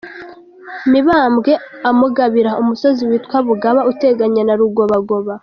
Mibambwe amugabira umusozi witwa Bugaba uteganye na Rugobagoba.